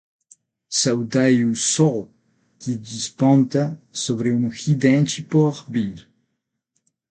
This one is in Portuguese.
Saudai o Sol que desponta sobre um ridente porvir